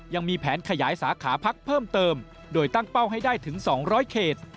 ยังมีแผนขยายสาขาพักเพิ่มเติมโดยตั้งเป้าให้ได้ถึง๒๐๐เขต